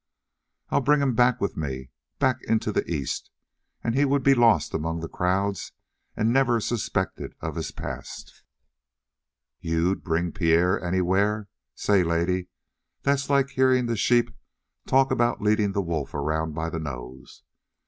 "I'd bring him back with me back into the East, and he would be lost among the crowds and never suspected of his past." "You'd bring Pierre anywhere? Say, lady, that's like hearing the sheep talk about leading the wolf around by the nose.